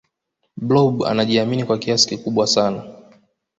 blob anajiamini kwa kiasi kikubwa sana